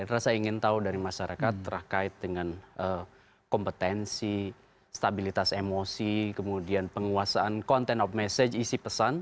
rasa ingin tahu dari masyarakat terkait dengan kompetensi stabilitas emosi kemudian penguasaan content of message isi pesan